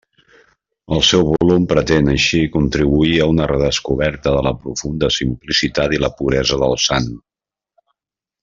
El seu volum pretén així contribuir a una redescoberta de la profunda simplicitat i la puresa del sant.